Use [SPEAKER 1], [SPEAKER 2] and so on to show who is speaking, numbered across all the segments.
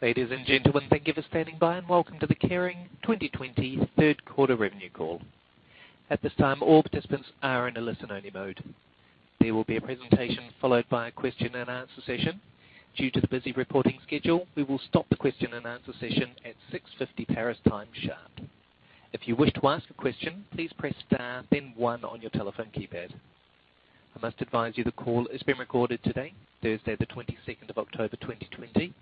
[SPEAKER 1] Ladies and gentlemen, thank you for standing by, and welcome to the Kering 2020 third quarter revenue call. At this time, all participants are in a listen-only mode. There will be a presentation followed by a question-and-answer session. Due to the busy reporting schedule, we will stop the question-and-answer session at 6:50 Paris time sharp. If you wish to ask a question, please press star then one on your telephone keypad. I must advise you the call is being recorded today, Thursday October 22nd, 2020.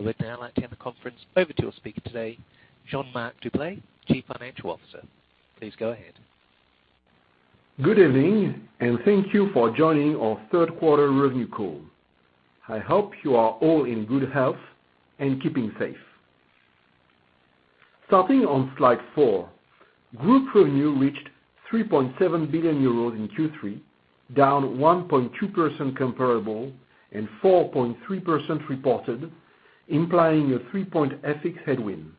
[SPEAKER 1] I would now like to hand the conference over to your speaker today, Jean-Marc Duplaix, Chief Financial Officer. Please go ahead.
[SPEAKER 2] Good evening, thank you for joining our third quarter revenue call. I hope you are all in good health and keeping safe. Starting on slide four, group revenue reached 3.7 billion euros in Q3, down 1.2% comparable and 4.3% reported, implying a 3.6% headwind.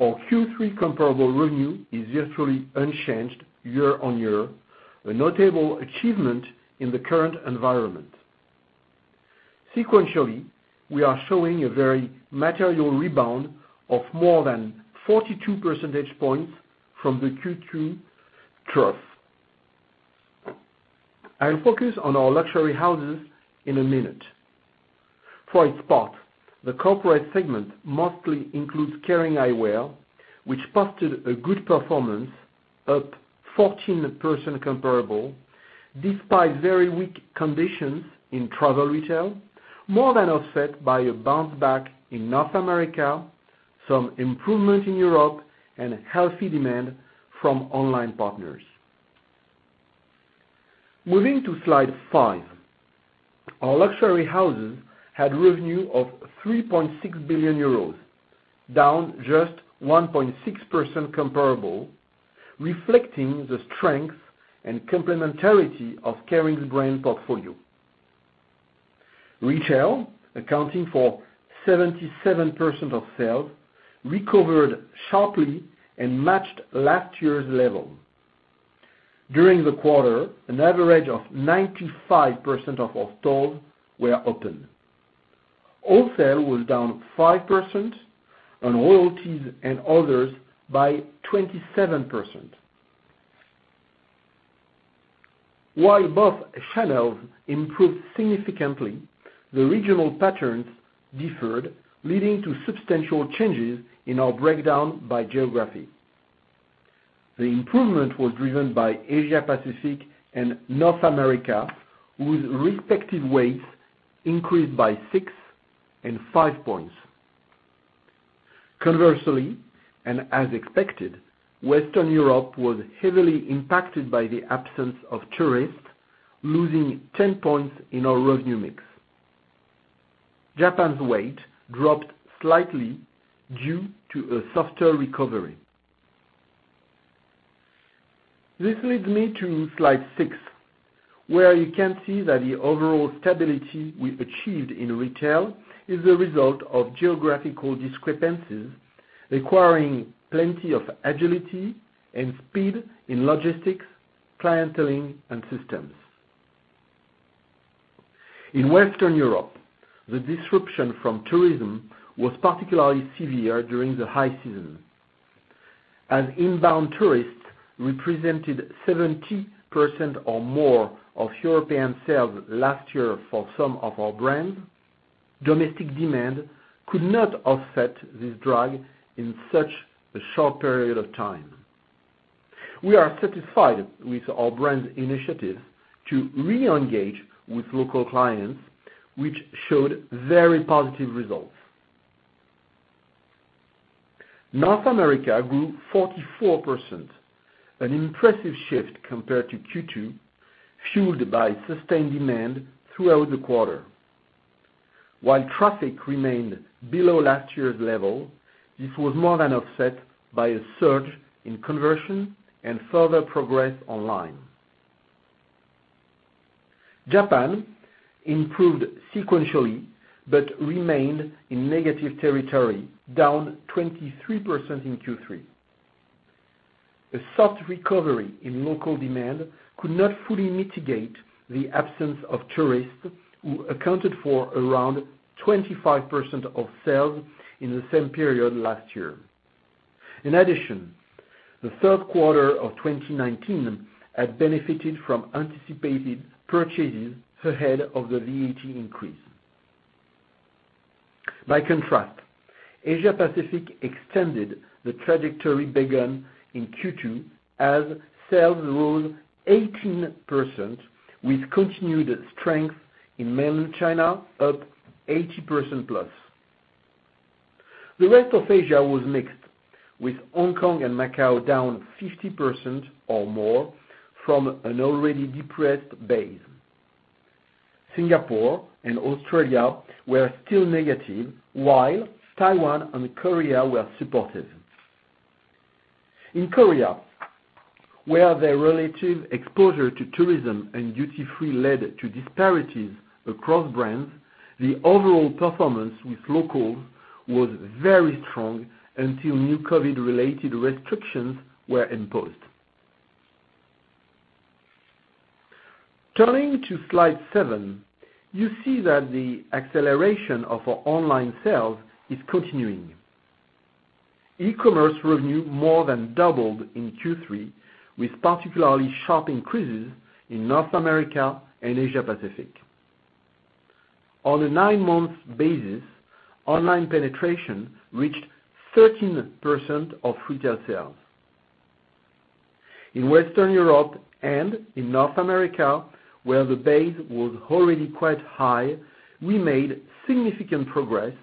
[SPEAKER 2] Our Q3 comparable revenue is virtually unchanged year-on-year, a notable achievement in the current environment. Sequentially, we are showing a very material rebound of more than 42 percentage points from the Q2 trough. I'll focus on our luxury houses in a minute. For its part, the corporate segment mostly includes Kering Eyewear, which posted a good performance up 14% comparable despite very weak conditions in travel retail, more than offset by a bounce back in North America, some improvement in Europe, and healthy demand from online partners. Moving to slide five. Our luxury houses had revenue of 3.6 billion euros, down just 1.6% comparable, reflecting the strength and complementarity of Kering's brand portfolio. Retail, accounting for 77% of sales, recovered sharply and matched last year's level. During the quarter, an average of 95% of our stores were open. Wholesale was down 5%, and royalties and others by 27%. While both channels improved significantly, the regional patterns differed, leading to substantial changes in our breakdown by geography. The improvement was driven by Asia Pacific and North America, whose respective weights increased by six and five points. Conversely, and as expected, Western Europe was heavily impacted by the absence of tourists, losing 10 points in our revenue mix. Japan's weight dropped slightly due to a softer recovery. This leads me to slide six, where you can see that the overall stability we achieved in retail is a result of geographical discrepancies requiring plenty of agility and speed in logistics, clienteling, and systems. In Western Europe, the disruption from tourism was particularly severe during the high season. As inbound tourists represented 70% or more of European sales last year for some of our brands, domestic demand could not offset this drag in such a short period of time. We are satisfied with our brands' initiatives to reengage with local clients, which showed very positive results. North America grew 44%, an impressive shift compared to Q2, fueled by sustained demand throughout the quarter. While traffic remained below last year's level, this was more than offset by a surge in conversion and further progress online. Japan improved sequentially but remained in negative territory, down 23% in Q3. A soft recovery in local demand could not fully mitigate the absence of tourists who accounted for around 25% of sales in the same period last year. In addition, the third quarter of 2019 had benefited from anticipated purchases ahead of the VAT increase. By contrast, Asia Pacific extended the trajectory begun in Q2 as sales rose 18%, with continued strength in mainland China up 80%+. The rest of Asia was mixed, with Hong Kong and Macau down 50% or more from an already depressed base. Singapore and Australia were still negative, while Taiwan and Korea were supportive. In Korea, where their relative exposure to tourism and duty-free led to disparities across brands, the overall performance with locals was very strong until new COVID-related restrictions were imposed. Turning to slide seven, you see that the acceleration of our online sales is continuing. E-commerce revenue more than doubled in Q3, with particularly sharp increases in North America and Asia Pacific. On a nine-month basis, online penetration reached 13% of retail sales. In Western Europe and in North America, where the base was already quite high, we made significant progress,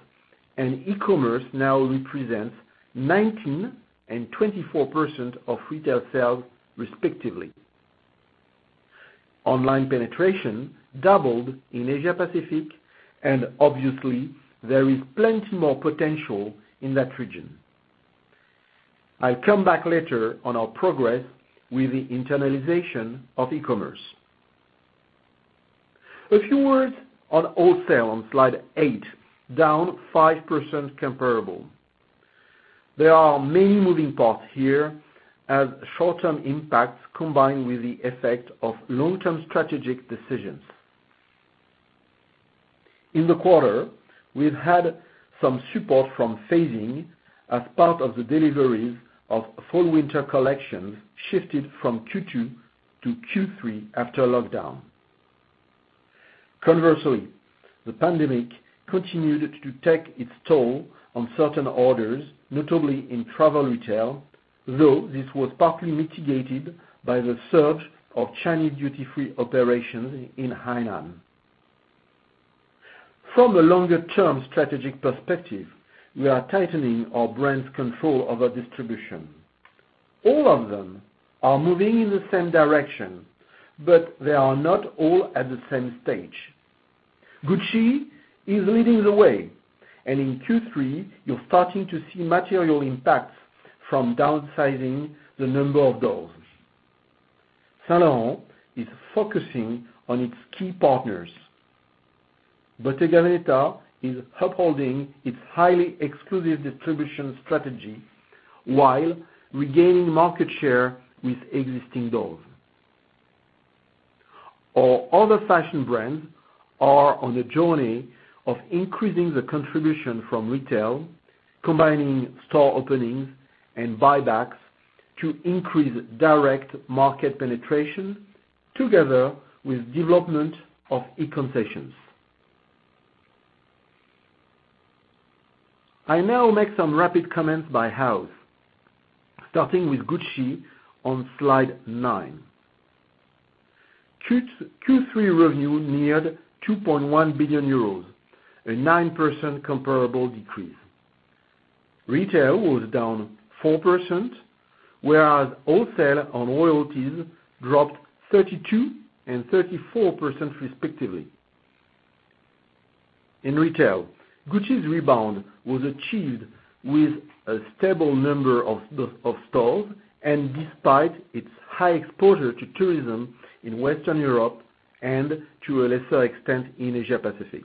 [SPEAKER 2] and e-commerce now represents 19% and 24% of retail sales respectively. Online penetration doubled in Asia Pacific, and obviously, there is plenty more potential in that region. I'll come back later on our progress with the internalization of e-commerce. A few words on wholesale on slide eight, down 5% comparable. There are many moving parts here as short-term impacts combined with the effect of long-term strategic decisions. In the quarter, we've had some support from phasing as part of the deliveries of fall-winter collections shifted from Q2 to Q3 after lockdown. Conversely, the pandemic continued to take its toll on certain orders, notably in travel retail, though this was partly mitigated by the surge of Chinese duty-free operations in Hainan. From a longer-term strategic perspective, we are tightening our brand's control over distribution. All of them are moving in the same direction, but they are not all at the same stage. GUCCI is leading the way, and in Q3, you're starting to see material impacts from downsizing the number of doors. Saint Laurent is focusing on its key partners. Bottega Veneta is upholding its highly exclusive distribution strategy while regaining market share with existing doors. Our other fashion brands are on a journey of increasing the contribution from retail, combining store openings and buybacks to increase direct market penetration together with development of e-concessions. I now make some rapid comments by house, starting with GUCCI on slide nine. Q3 revenue neared 2.1 billion euros, a 9% comparable decrease. Retail was down 4%, whereas wholesale and royalties dropped 32% and 34%, respectively. In retail, GUCCI's rebound was achieved with a stable number of stores and despite its high exposure to tourism in Western Europe and to a lesser extent, in Asia Pacific.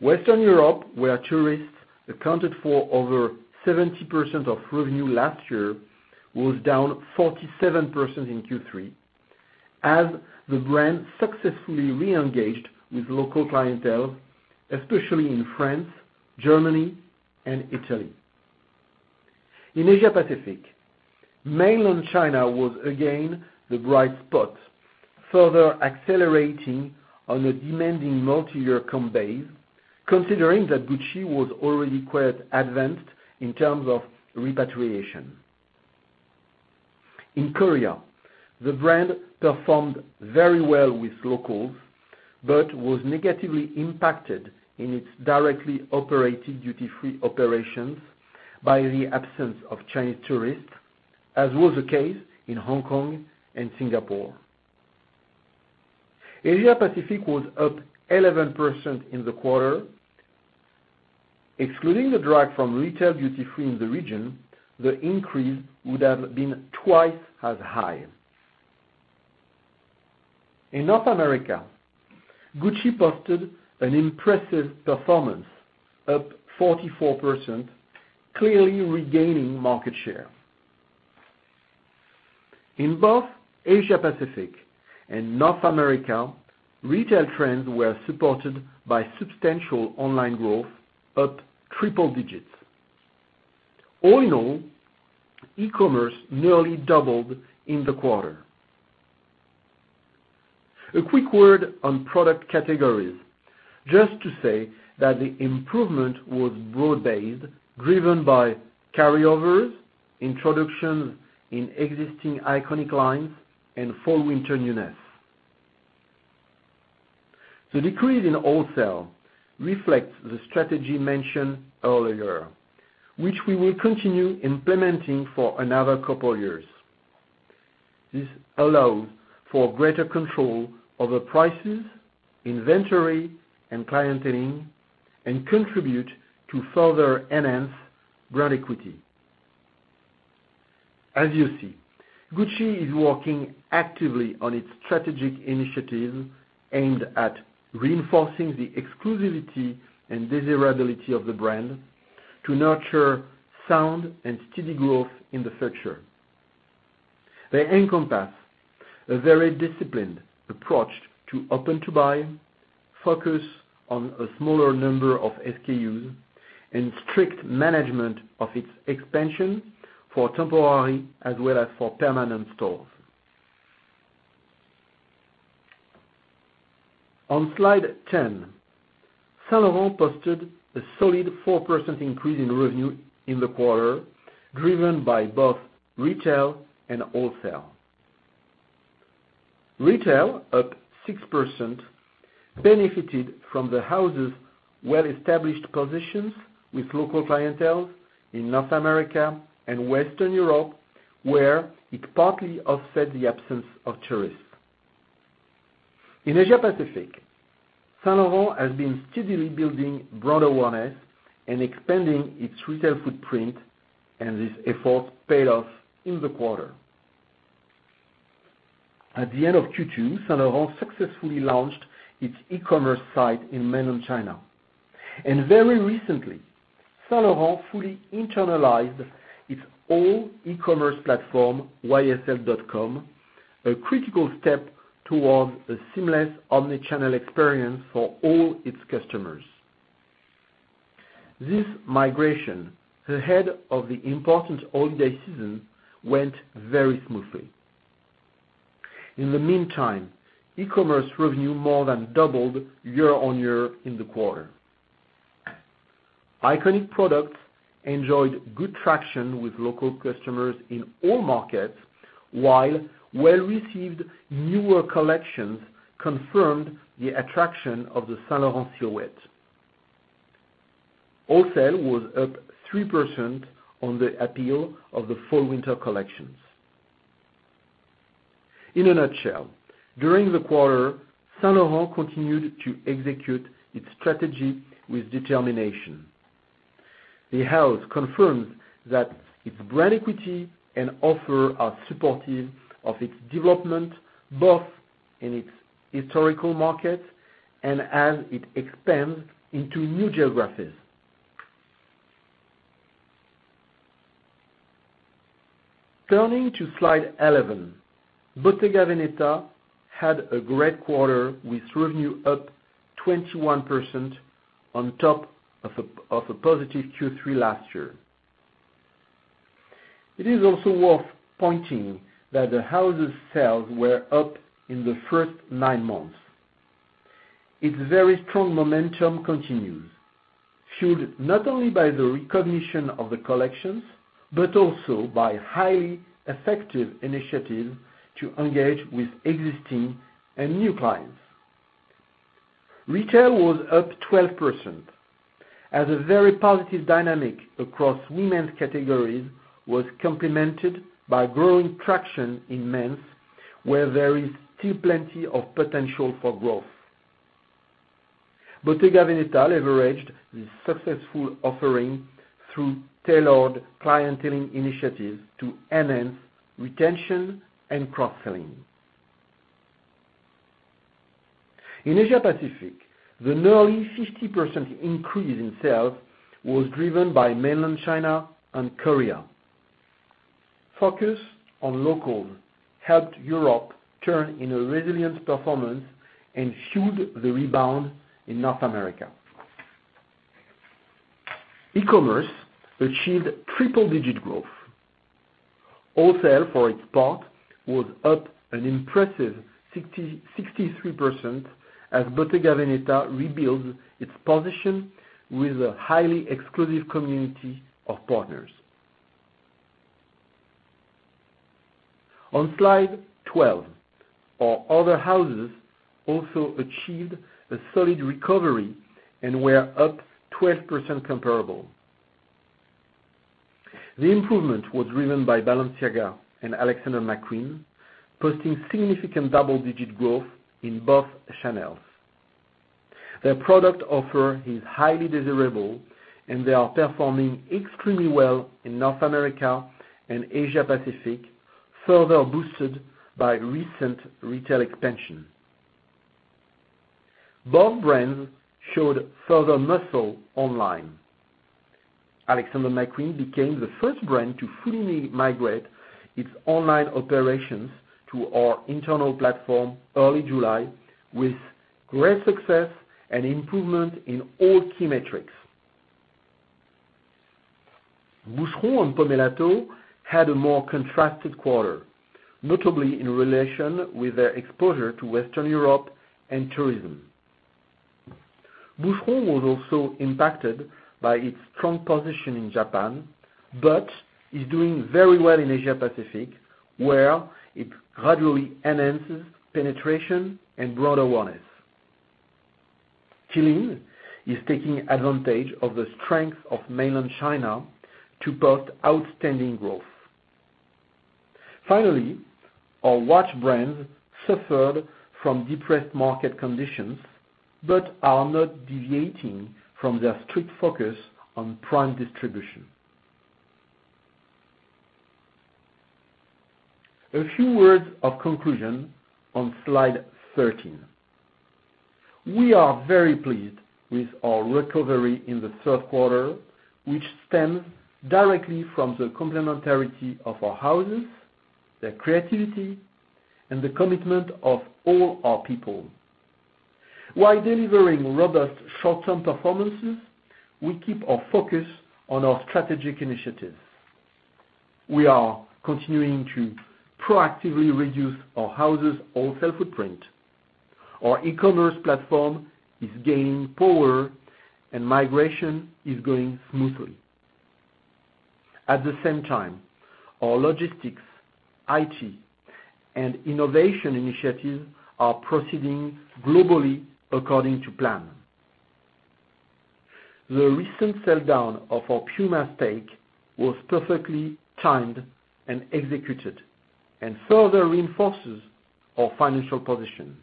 [SPEAKER 2] Western Europe, where tourists accounted for over 70% of revenue last year, was down 47% in Q3 as the brand successfully re-engaged with local clientele, especially in France, Germany, and Italy. In Asia Pacific, Mainland China was again the bright spot, further accelerating on a demanding multi-year comp base considering that GUCCI was already quite advanced in terms of repatriation. In Korea, the brand performed very well with locals, but was negatively impacted in its directly operated duty-free operations by the absence of Chinese tourists, as was the case in Hong Kong and Singapore. Asia Pacific was up 11% in the quarter. Excluding the drag from retail duty-free in the region, the increase would have been twice as high. In North America, GUCCI posted an impressive performance up 44%, clearly regaining market share. In both Asia Pacific and North America, retail trends were supported by substantial online growth, up triple digits. All in all, e-commerce nearly doubled in the quarter. A quick word on product categories, just to say that the improvement was broad-based, driven by carryovers, introductions in existing iconic lines, and fall-winter newness. The decrease in wholesale reflects the strategy mentioned earlier, which we will continue implementing for another couple of years. This allows for greater control over prices, inventory, and clienteling, and contribute to further enhance brand equity. As you see, GUCCI is working actively on its strategic initiatives aimed at reinforcing the exclusivity and desirability of the brand. To nurture sound and steady growth in the future. They encompass a very disciplined approach to open-to-buy, focus on a smaller number of SKUs, and strict management of its expansion for temporary as well as for permanent stores. On slide 10, Saint Laurent posted a solid 4% increase in revenue in the quarter, driven by both retail and wholesale. Retail, up 6%, benefited from the house's well-established positions with local clientele in North America and Western Europe, where it partly offset the absence of tourists. In Asia Pacific, Saint Laurent has been steadily building brand awareness and expanding its retail footprint. This effort paid off in the quarter. At the end of Q2, Saint Laurent successfully launched its e-commerce site in Mainland China. Very recently, Saint Laurent fully internalized its own e-commerce platform, ysl.com, a critical step towards a seamless omni-channel experience for all its customers. This migration ahead of the important holiday season went very smoothly. In the meantime, e-commerce revenue more than doubled year-on-year in the quarter. Iconic products enjoyed good traction with local customers in all markets, while well-received newer collections confirmed the attraction of the Saint Laurent silhouette. Wholesale was up 3% on the appeal of the fall/winter collections. In a nutshell, during the quarter, Saint Laurent continued to execute its strategy with determination. The house confirms that its brand equity and offer are supportive of its development, both in its historical markets and as it expands into new geographies. Turning to slide 11, Bottega Veneta had a great quarter, with revenue up 21% on top of a positive Q3 last year. It is also worth pointing that the house's sales were up in the first nine months. Its very strong momentum continues, fueled not only by the recognition of the collections, but also by highly effective initiatives to engage with existing and new clients. Retail was up 12%, as a very positive dynamic across women's categories was complemented by growing traction in men's, where there is still plenty of potential for growth. Bottega Veneta leveraged this successful offering through tailored clienteling initiatives to enhance retention and cross-selling. In Asia Pacific, the nearly 50% increase in sales was driven by Mainland China and Korea. Focus on local helped Europe turn in a resilient performance and fueled the rebound in North America. E-commerce achieved triple-digit growth. Wholesale, for its part, was up an impressive 63%, as Bottega Veneta rebuilds its position with a highly exclusive community of partners. On slide 12, our other houses also achieved a solid recovery and were up 12% comparable. The improvement was driven by Balenciaga and Alexander McQueen, posting significant double-digit growth in both channels. Their product offer is highly desirable, and they are performing extremely well in North America and Asia Pacific, further boosted by recent retail expansion. Both brands showed further muscle online. Alexander McQueen became the first brand to fully migrate its online operations to our internal platform early July with great success and improvement in all key metrics. Boucheron and Pomellato had a more contrasted quarter, notably in relation with their exposure to Western Europe and tourism. Boucheron was also impacted by its strong position in Japan, but is doing very well in Asia Pacific, where it gradually enhances penetration and brand awareness. CELINE is taking advantage of the strength of Mainland China to post outstanding growth. Finally, our watch brands suffered from depressed market conditions, but are not deviating from their strict focus on prime distribution. A few words of conclusion on slide 13. We are very pleased with our recovery in the third quarter, which stems directly from the complementarity of our houses, their creativity, and the commitment of all our people. While delivering robust short-term performances, we keep our focus on our strategic initiatives. We are continuing to proactively reduce our houses' wholesale footprint. Our e-commerce platform is gaining power, and migration is going smoothly. At the same time, our logistics, IT, and innovation initiatives are proceeding globally according to plan. The recent sell-down of our PUMA stake was perfectly timed and executed, and further reinforces our financial position.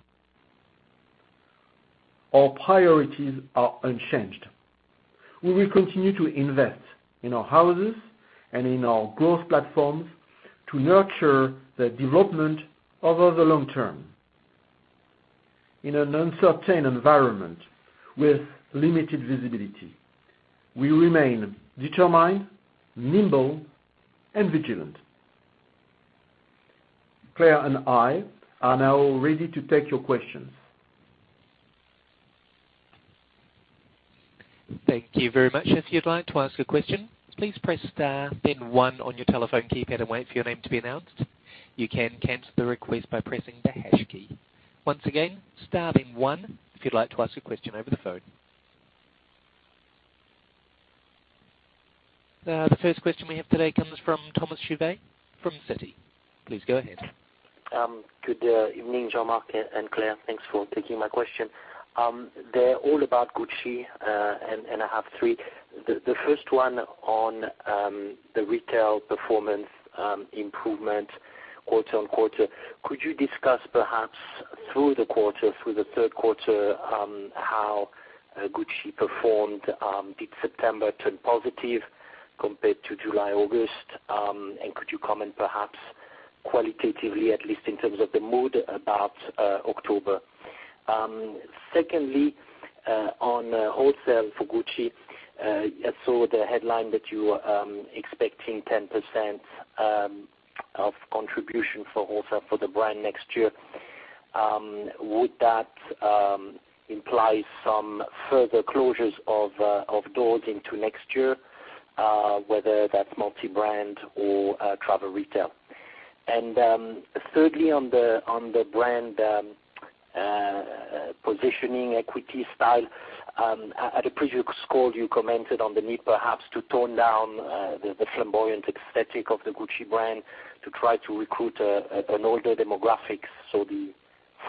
[SPEAKER 2] Our priorities are unchanged. We will continue to invest in our houses and in our growth platforms to nurture the development over the long term. In an uncertain environment with limited visibility, we remain determined, nimble, and vigilant. Claire and I are now ready to take your questions.
[SPEAKER 1] Thank you very much. If you'd like to ask a question, please press star then one on your telephone keypad and wait for your name to be announced. You can cancel the request by pressing the hash key. Once again, star then one if you'd like to ask a question over the phone. The first question we have today comes from Thomas Chauvet from Citi. Please go ahead.
[SPEAKER 3] Good evening, Jean-Marc and Claire. Thanks for taking my question. They're all about GUCCI, and I have three. The first one on the retail performance improvement quarter-on-quarter. Could you discuss perhaps through the third quarter, how GUCCI performed? Did September turn positive compared to July, August? Could you comment perhaps qualitatively, at least in terms of the mood about October? Secondly, on wholesale for GUCCI. I saw the headline that you were expecting 10% of contribution for wholesale for the brand next year. Would that imply some further closures of doors into next year, whether that's multi-brand or travel retail? Thirdly, on the brand positioning, equity style. At a previous call, you commented on the need perhaps to tone down the flamboyant aesthetic of the GUCCI brand to try to recruit an older demographic. The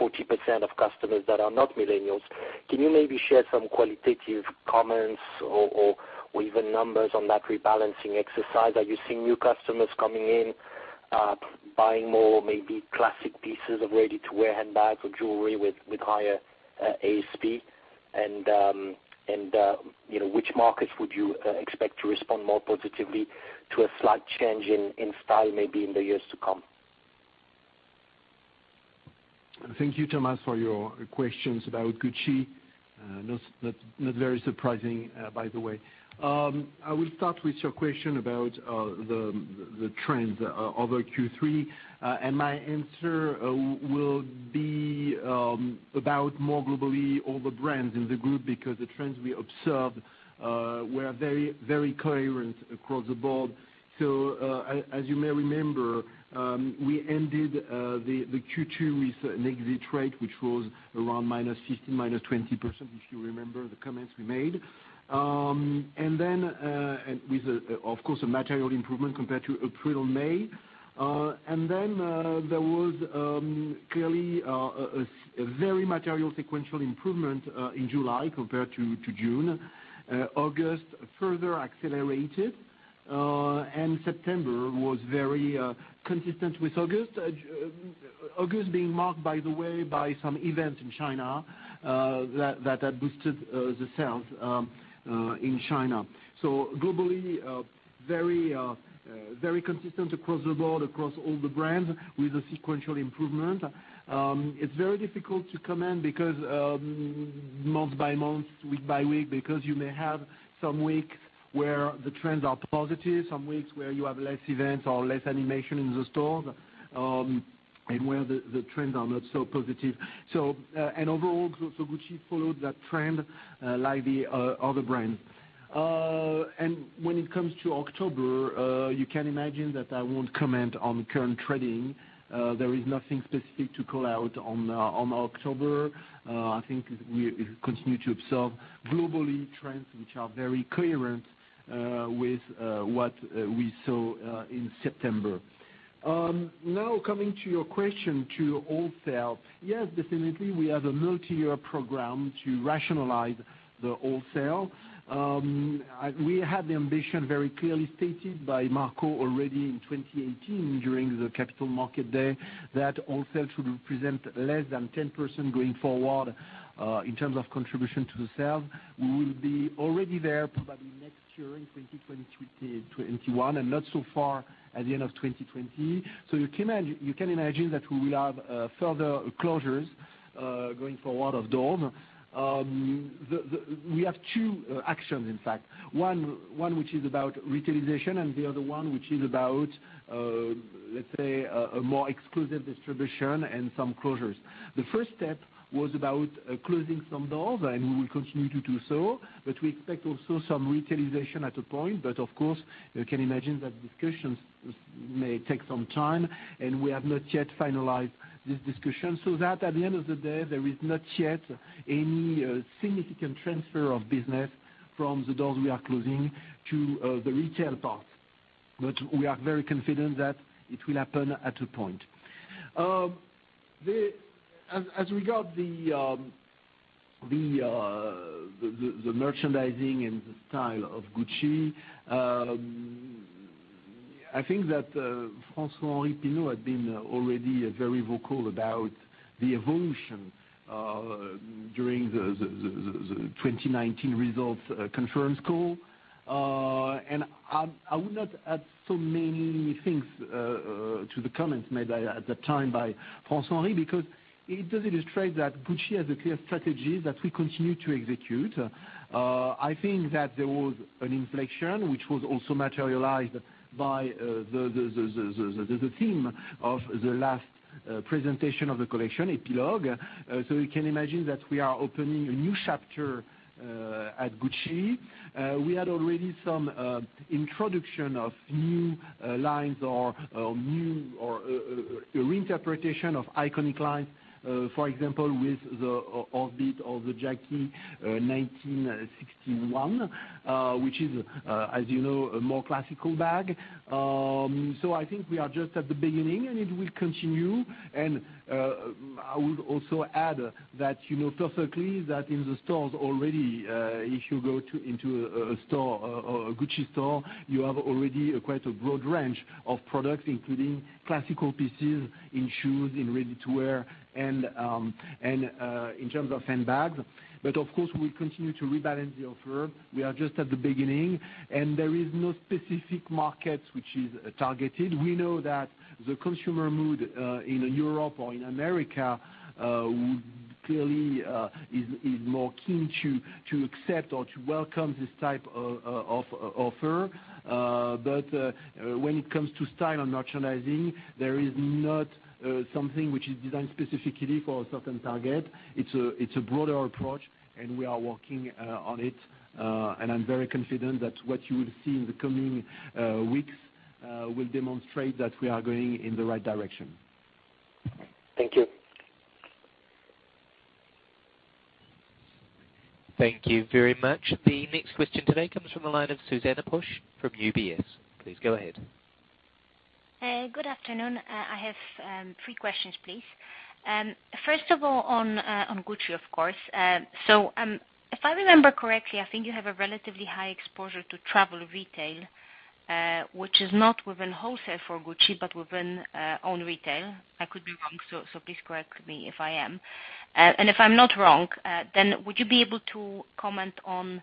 [SPEAKER 3] 40% of customers that are not millennials. Can you maybe share some qualitative comments or even numbers on that rebalancing exercise? Are you seeing new customers coming in, buying more maybe classic pieces of ready-to-wear handbags or jewelry with higher ASP? Which markets would you expect to respond more positively to a slight change in style maybe in the years to come?
[SPEAKER 2] Thank you, Thomas, for your questions about GUCCI. Not very surprising, by the way. I will start with your question about the trends of our Q3. My answer will be about more globally all the brands in the group, because the trends we observed were very coherent across the board. As you may remember, we ended the Q2 with a negative trade, which was around -15%, -20%, if you remember the comments we made. With, of course, a material improvement compared to April, May. There was clearly a very material sequential improvement in July compared to June. August further accelerated, and September was very consistent with August. August being marked, by the way, by some events in China that had boosted the sales in China. Globally, very consistent across the board, across all the brands with a sequential improvement. It's very difficult to comment month-by-month, week-by-week, because you may have some weeks where the trends are positive, some weeks where you have less events or less animation in the stores, and where the trends are not so positive. Overall, GUCCI followed that trend, like the other brands. When it comes to October, you can imagine that I won't comment on current trading. There is nothing specific to call out on October. I think we continue to observe globally trends which are very coherent with what we saw in September. Now, coming to your question to wholesale. Yes, definitely, we have a multi-year program to rationalize the wholesale. We had the ambition very clearly stated by Marco already in 2018 during the Capital Markets Day, that wholesale should represent less than 10% going forward in terms of contribution to the sales. We will be already there probably next year in 2021, and not so far at the end of 2020. You can imagine that we will have further closures going forward of doors. We have two actions, in fact. One which is about retailization and the other one which is about, let's say, a more exclusive distribution and some closures. The first step was about closing some doors, and we will continue to do so, but we expect also some retailization at a point. Of course, you can imagine that discussions may take some time, and we have not yet finalized this discussion. That at the end of the day, there is not yet any significant transfer of business from the doors we are closing to the retail part. We are very confident that it will happen at a point. As regard the merchandising and the style of GUCCI, I think that François-Henri Pinault had been already very vocal about the evolution during the 2019 results conference call. I would not add so many things to the comments made at that time by François-Henri, because it does illustrate that GUCCI has a clear strategy that we continue to execute. I think that there was an inflection, which was also materialized by the theme of the last presentation of the collection, Epilogue. You can imagine that we are opening a new chapter at GUCCI. We had already some introduction of new lines or reinterpretation of iconic lines. For example, with the reboot of the Jackie 1961, which is, as you know, a more classical bag. I think we are just at the beginning, and it will continue. I would also add that, perfectly, that in the stores already, if you go into a GUCCI store, you have already quite a broad range of products, including classical pieces in shoes, in ready-to-wear, and in terms of handbags. Of course, we continue to rebalance the offer. We are just at the beginning. There is no specific market which is targeted. We know that the consumer mood in Europe or in America clearly is more keen to accept or to welcome this type of offer. When it comes to style and merchandising, there is not something which is designed specifically for a certain target. It's a broader approach, and we are working on it. I'm very confident that what you will see in the coming weeks will demonstrate that we are going in the right direction.
[SPEAKER 3] Thank you.
[SPEAKER 1] Thank you very much. The next question today comes from the line of Zuzanna Pusz from UBS. Please go ahead.
[SPEAKER 4] Good afternoon. I have three questions, please. First of all, on GUCCI, of course. If I remember correctly, I think you have a relatively high exposure to travel retail, which is not within wholesale for GUCCI, but within own retail. I could be wrong, so please correct me if I am. If I'm not wrong, then would you be able to comment on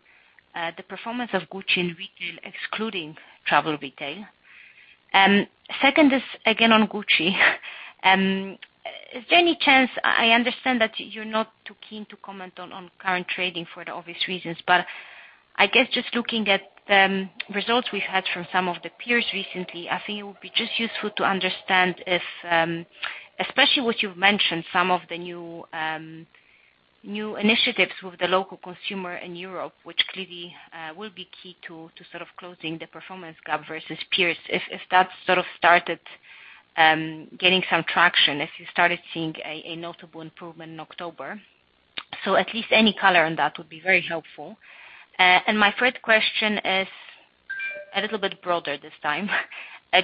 [SPEAKER 4] the performance of GUCCI in retail excluding travel retail? Second is, again, on GUCCI. Is there any chance, I understand that you're not too keen to comment on current trading for the obvious reasons, but I guess just looking at the results we've had from some of the peers recently, I think it would be just useful to understand if, especially what you've mentioned, some of the new initiatives with the local consumer in Europe, which clearly will be key to sort of closing the performance gap versus peers. If that sort of started getting some traction, if you started seeing a notable improvement in October. At least any color on that would be very helpful. My third question is a little bit broader this time.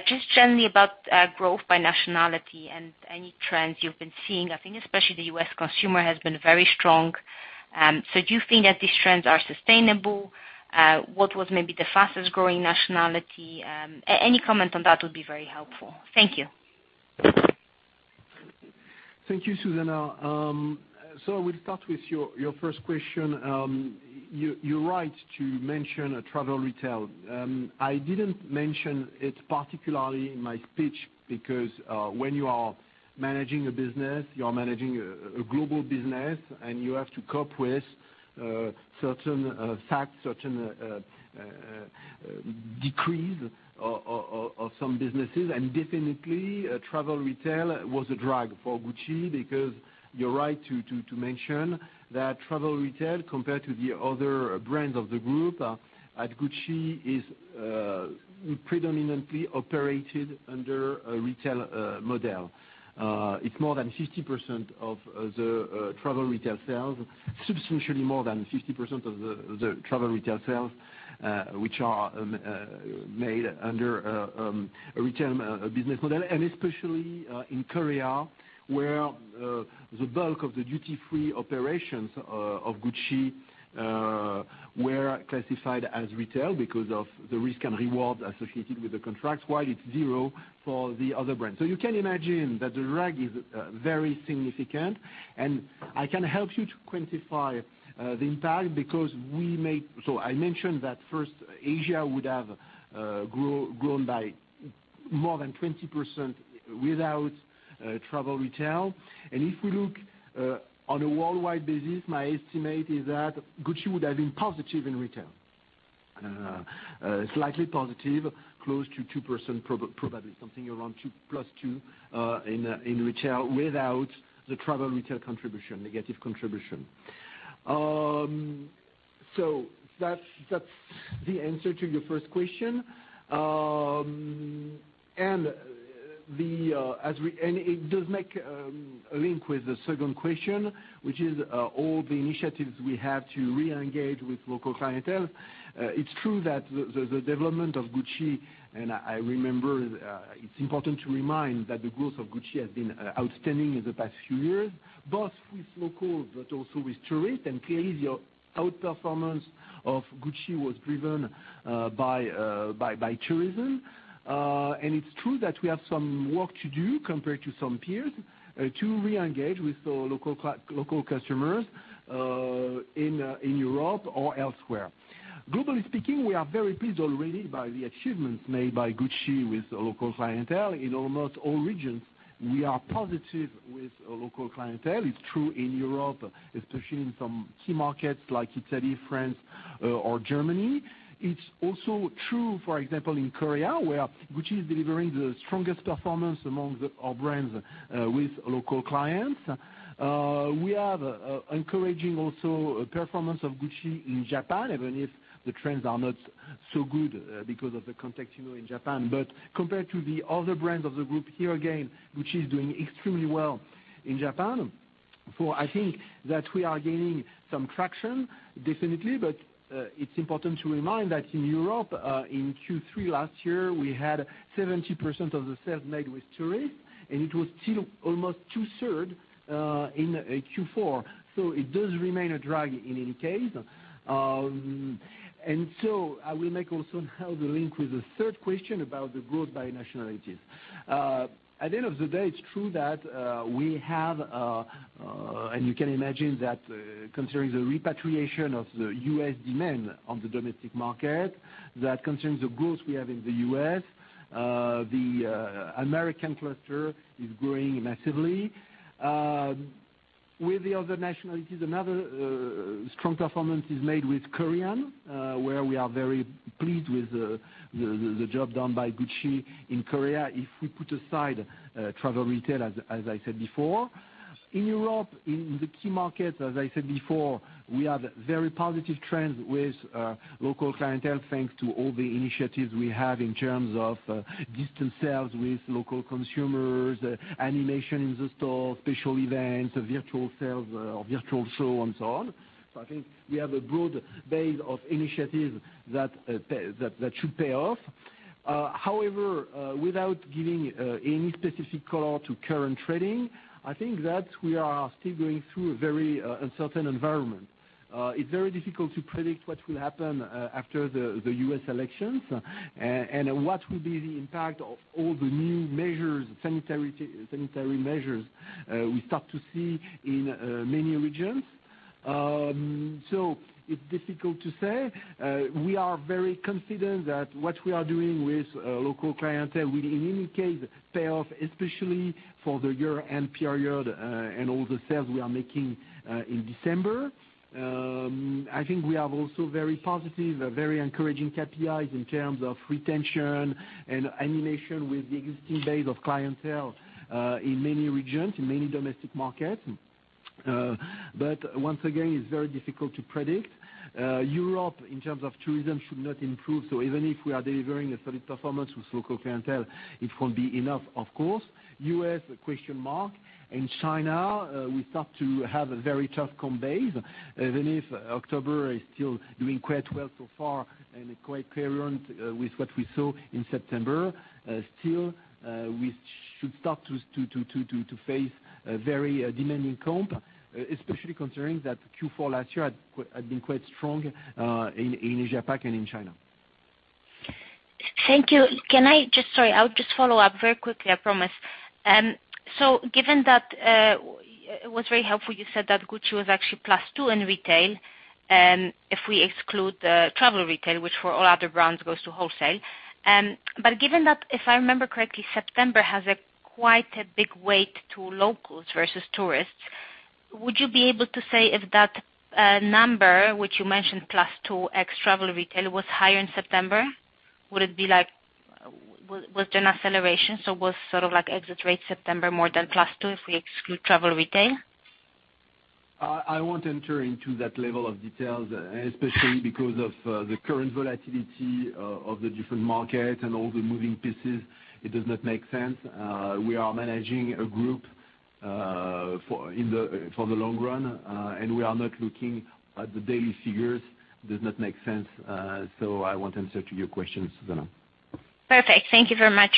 [SPEAKER 4] Just generally about growth by nationality and any trends you've been seeing. I think especially the U.S. consumer has been very strong. Do you think that these trends are sustainable? What was maybe the fastest-growing nationality? Any comment on that would be very helpful. Thank you.
[SPEAKER 2] Thank you, Zuzanna. We'll start with your first question. You're right to mention travel retail. I didn't mention it particularly in my speech because when you are managing a business, you are managing a global business, and you have to cope with certain facts, certain decrease of some businesses. Definitely, travel retail was a drag for GUCCI because you're right to mention that travel retail, compared to the other brands of the group, at GUCCI is predominantly operated under a retail model. It's more than 50% of the travel retail sales, substantially more than 50% of the travel retail sales, which are made under a retail business model, and especially in Korea, where the bulk of the duty-free operations of GUCCI were classified as retail because of the risk and reward associated with the contracts, while it's zero for the other brands. You can imagine that the drag is very significant, and I can help you to quantify the impact because I mentioned that first Asia would have grown by more than 20% without travel retail. If we look on a worldwide basis, my estimate is that GUCCI would have been positive in retail. Slightly positive, close to 2%, probably something around plus two in retail without the travel retail negative contribution. That's the answer to your first question. It does make a link with the second question, which is all the initiatives we have to reengage with local clientele. It's true that the development of GUCCI, and I remember it's important to remind that the growth of GUCCI has been outstanding in the past few years, both with local but also with tourists. Clearly, the outperformance of GUCCI was driven by tourism. It's true that we have some work to do compared to some peers to reengage with local customers in Europe or elsewhere. Globally speaking, we are very pleased already by the achievements made by GUCCI with local clientele in almost all regions. We are positive with local clientele. It's true in Europe, especially in some key markets like Italy, France, or Germany. It's also true, for example, in Korea, where GUCCI is delivering the strongest performance among our brands with local clients. We are encouraging also performance of GUCCI in Japan, even if the trends are not so good because of the context in Japan. Compared to the other brands of the group, here again, GUCCI is doing extremely well in Japan. I think that we are gaining some traction, definitely, but it's important to remind that in Europe, in Q3 last year, we had 70% of the sales made with tourists, and it was still almost two-third in Q4. It does remain a drag in any case. I will make also now the link with the third question about the growth by nationalities. At the end of the day, it's true that we have, and you can imagine that considering the repatriation of the U.S. demand on the domestic market, that concerns the growth we have in the U.S. The American cluster is growing massively. With the other nationalities, another strong performance is made with Korean, where we are very pleased with the job done by GUCCI in Korea, if we put aside travel retail, as I said before. In Europe, in the key markets, as I said before, we have very positive trends with local clientele, thanks to all the initiatives we have in terms of distant sales with local consumers, animation in the store, special events, virtual sales, virtual show, and so on. I think we have a broad base of initiatives that should pay off. However, without giving any specific color to current trading, I think that we are still going through a very uncertain environment. It's very difficult to predict what will happen after the U.S. elections and what will be the impact of all the new sanitary measures we start to see in many regions. It's difficult to say. We are very confident that what we are doing with local clientele will, in any case, pay off, especially for the year-end period and all the sales we are making in December. I think we have also very positive, very encouraging KPIs in terms of retention and animation with the existing base of clientele in many regions, in many domestic markets. once again, it's very difficult to predict. Europe, in terms of tourism, should not improve. even if we are delivering a solid performance with local clientele, it won't be enough, of course. U.S., a question mark. In China, we start to have a very tough comp base, even if October is still doing quite well so far and quite parallel with what we saw in September. Still, we should start to face a very demanding comp, especially considering that Q4 last year had been quite strong in Asia-Pac and in China.
[SPEAKER 4] Thank you. Sorry, I'll just follow up very quickly, I promise. Given that it was very helpful, you said that GUCCI was actually plus two in retail, if we exclude the travel retail, which for all other brands goes to wholesale. Given that, if I remember correctly, September has quite a big weight to locals versus tourists, would you be able to say if that number, which you mentioned, plus two ex travel retail, was higher in September? Was there an acceleration? Was exit rate September more than plus two if we exclude travel retail?
[SPEAKER 2] I won't enter into that level of details, especially because of the current volatility of the different markets and all the moving pieces. It does not make sense. We are managing a group for the long run, and we are not looking at the daily figures. Does not make sense. I won't answer to your question, Zuzanna.
[SPEAKER 4] Perfect. Thank you very much.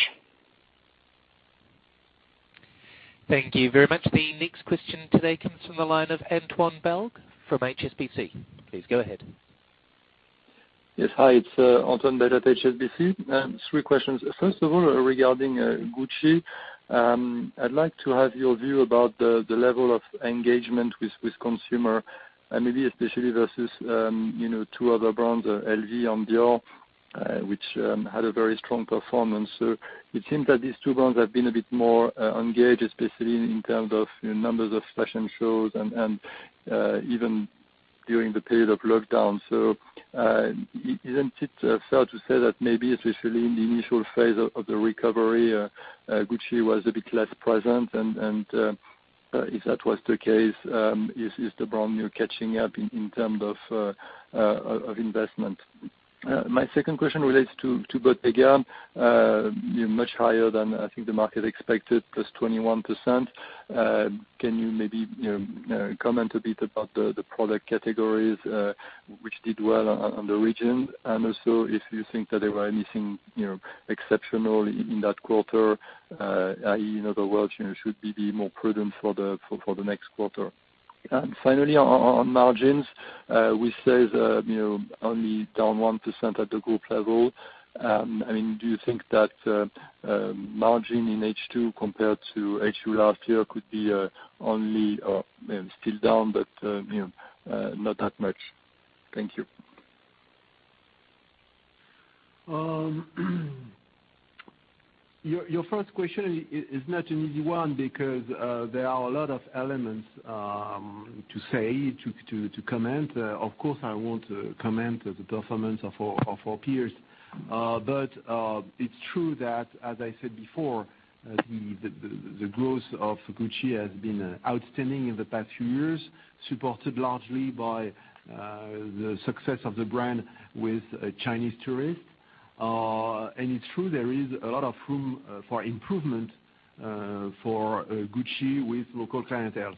[SPEAKER 1] Thank you very much. The next question today comes from the line of Antoine Belge from HSBC. Please go ahead.
[SPEAKER 5] Yes. Hi, it's Antoine Belge at HSBC. Three questions. First of all, regarding GUCCI, I'd like to have your view about the level of engagement with consumer, and maybe especially versus two other brands, LV and Dior which had a very strong performance. It seems that these two brands have been a bit more engaged, especially in terms of numbers of fashion shows and even during the period of lockdown. Isn't it fair to say that maybe, especially in the initial phase of the recovery, GUCCI was a bit less present? If that was the case, is the brand now catching up in terms of investment? My second question relates to Bottega, much higher than I think the market expected, +21%. Can you maybe comment a bit about the product categories which did well in the region? Also if you think that there were anything exceptional in that quarter, i.e., in other words, should we be more prudent for the next quarter? Finally, on margins, we say it's only down 1% at the group level. Do you think that margin in H2 compared to H2 last year could be only still down but not that much? Thank you.
[SPEAKER 2] Your first question is not an easy one because there are a lot of elements to say, to comment. Of course, I won't comment on the performance of our peers. It's true that, as I said before, the growth of GUCCI has been outstanding in the past few years, supported largely by the success of the brand with Chinese tourists. It's true there is a lot of room for improvement for GUCCI with local clientele.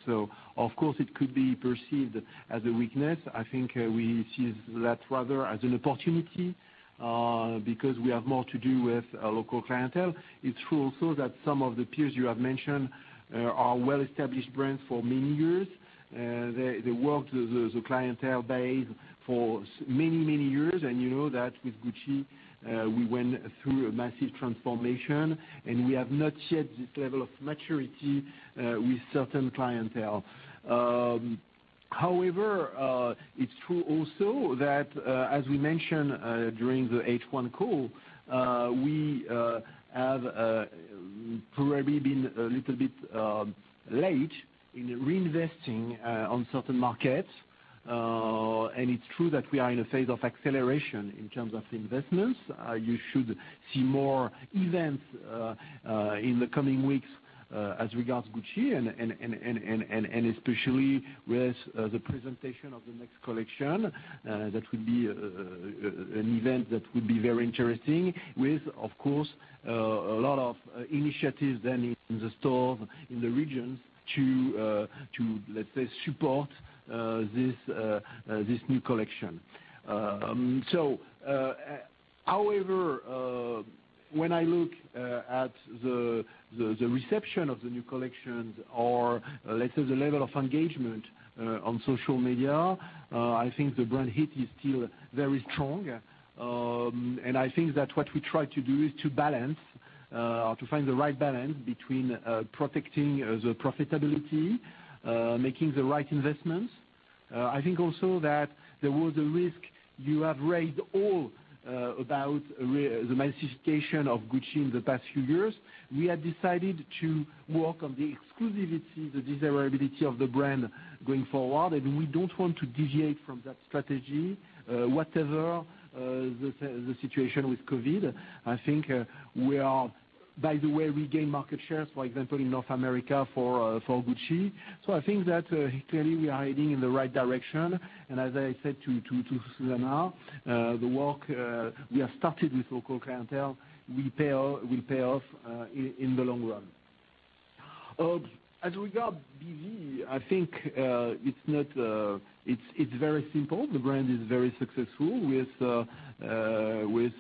[SPEAKER 2] Of course, it could be perceived as a weakness. I think we see that rather as an opportunity because we have more to do with local clientele. It's true also that some of the peers you have mentioned are well-established brands for many years. They worked the clientele base for many, many years, and you know that with GUCCI, we went through a massive transformation, and we have not yet this level of maturity with certain clientele. However, it's true also that, as we mentioned during the H1 call, we have probably been a little bit late in reinvesting on certain markets. It's true that we are in a phase of acceleration in terms of investments. You should see more events in the coming weeks as regards GUCCI and especially with the presentation of the next collection. That would be an event that would be very interesting with, of course, a lot of initiatives then in the stores, in the regions to, let's say, support this new collection. However, when I look at the reception of the new collections or, let's say, the level of engagement on social media, I think the brand heat is still very strong. I think that what we try to do is to balance or to find the right balance between protecting the profitability, making the right investments. I think also that there was a risk you have raised all about the massification of GUCCI in the past few years. We have decided to work on the exclusivity, the desirability of the brand going forward. We don't want to deviate from that strategy. Whatever the situation with COVID, I think we are, by the way, regain market shares, for example, in North America for GUCCI. I think that clearly we are heading in the right direction. As I said to Zuzanna, the work we have started with local clientele will pay off in the long run. As regards BV, I think it's very simple. The brand is very successful with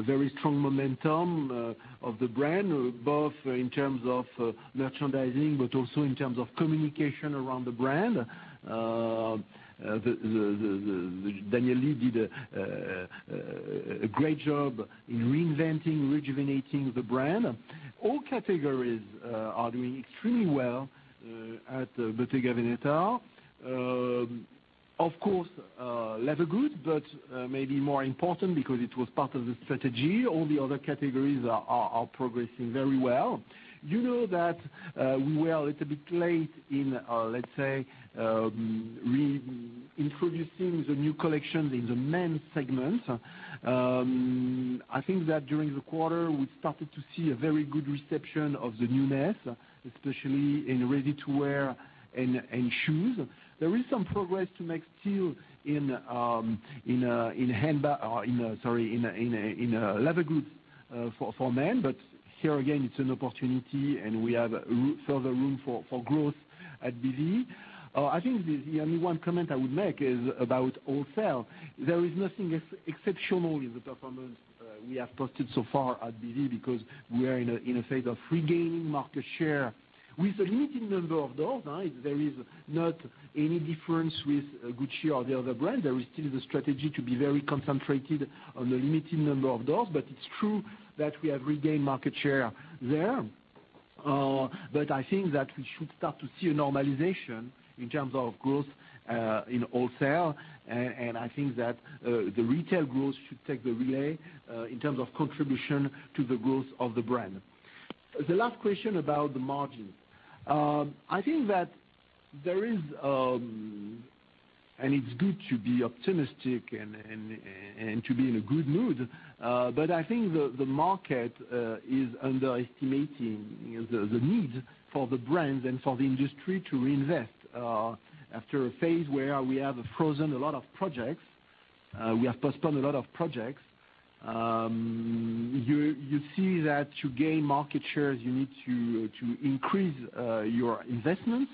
[SPEAKER 2] very strong momentum of the brand, both in terms of merchandising but also in terms of communication around the brand. Daniel Lee did a great job in reinventing, rejuvenating the brand. All categories are doing extremely well at Bottega Veneta. Of course, leather goods, but maybe more important because it was part of the strategy, all the other categories are progressing very well. You know that we were a little bit late in, let's say, reintroducing the new collections in the men segment. I think that during the quarter, we started to see a very good reception of the newness, especially in ready-to-wear and shoes. There is some progress to make still in leather goods for men, but here again, it's an opportunity, and we have further room for growth at BV. I think the only one comment I would make is about wholesale. There is nothing exceptional in the performance we have posted so far at BV because we are in a phase of regaining market share with a limited number of doors. There is not any difference with GUCCI or the other brands. There is still the strategy to be very concentrated on a limited number of doors, but it's true that we have regained market share there. I think that we should start to see a normalization in terms of growth in wholesale. I think that the retail growth should take the relay in terms of contribution to the growth of the brand. The last question about the margin. I think that there is, and it's good to be optimistic and to be in a good mood, but I think the market is underestimating the need for the brands and for the industry to reinvest, after a phase where we have frozen a lot of projects. We have postponed a lot of projects. You see that to gain market shares, you need to increase your investments.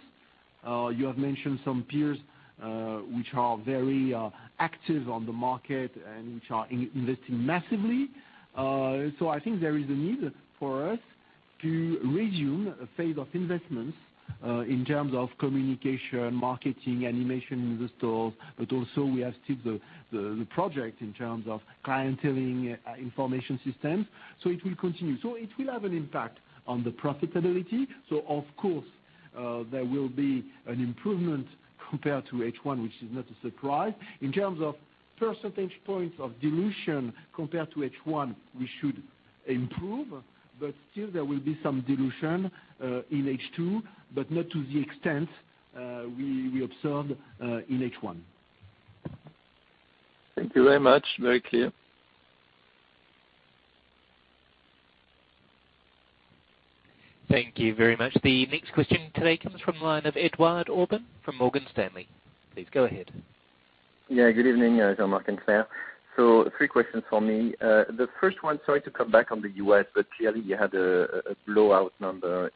[SPEAKER 2] You have mentioned some peers which are very active on the market and which are investing massively. I think there is a need for us to resume a phase of investments, in terms of communication, marketing, animation in the stores. Also we have still the project in terms of clienteling information systems. It will continue. It will have an impact on the profitability. Of course, there will be an improvement compared to H1, which is not a surprise. In terms of percentage points of dilution compared to H1, we should improve, but still there will be some dilution in H2, but not to the extent we observed in H1.
[SPEAKER 5] Thank you very much. Very clear.
[SPEAKER 1] Thank you very much. The next question today comes from the line of Edouard Aubin from Morgan Stanley. Please go ahead.
[SPEAKER 6] Yeah, good evening, Jean-Marc and Claire. Three questions for me. The first one, sorry to come back on the U.S., but clearly you had a blowout number